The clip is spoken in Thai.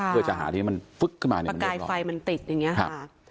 เพื่อจะหาที่ให้มันฟึ๊กขึ้นมาประกายไฟมันติดอย่างเงี้ค่ะ